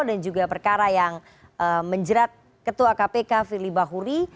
dan juga perkara yang menjerat ketua kpk fili bahuri